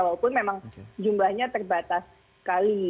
walaupun memang jumlahnya terbatas sekali